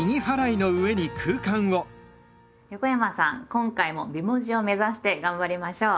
今回も美文字を目指して頑張りましょう。